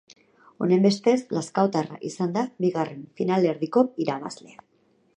Honenbestez, lazkaotarra izan da bigarren finalerdiko irabazlea.